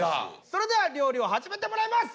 それでは料理を始めてもらいます。